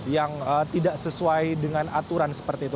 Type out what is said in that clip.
yang tidak sesuai dengan aturan seperti itu